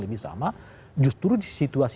lebih sama justru di situasi